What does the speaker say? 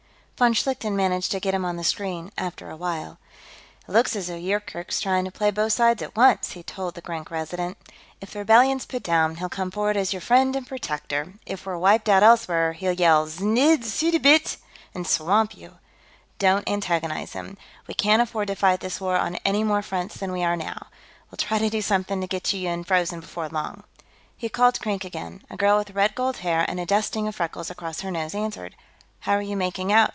Von Schlichten managed to get him on the screen, after a while. "It looks as though Yoorkerk's trying to play both sides at once," he told the Grank Resident. "If the rebellion's put down, he'll come forward as your friend and protector; if we're wiped out elsewhere, he'll yell 'Znidd suddabit!' and swamp you. Don't antagonize him; we can't afford to fight this war on any more fronts than we are now. We'll try to do something to get you unfrozen, before long." He called Krink again. A girl with red gold hair and a dusting of freckles across her nose answered. "How are you making out?"